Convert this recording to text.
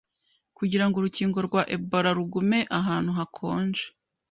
Kugira ngo urukingo rwa Ebola rugume ahantu hakonje